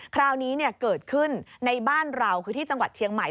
คราวนี้เกิดขึ้นในบ้านเราคือที่จังหวัดเชียงใหม่